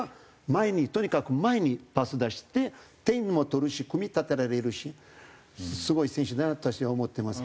前にとにかく前にパス出して点も取るし組み立てられるしすごい選手だなと私は思ってます。